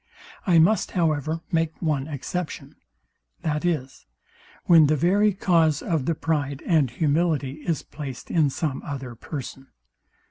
I must, however, make one exception, viz, when the very cause of the pride and humility is placed in some other person.